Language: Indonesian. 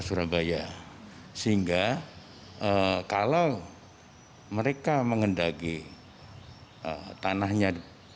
surabaya sehingga kalau mereka mengendaki tanahnya